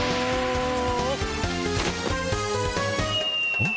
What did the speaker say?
あっ。